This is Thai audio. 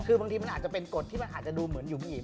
คือบางทีมันอาจจะเป็นกฎที่มันอาจจะดูเหมือนอยู่ผู้หญิง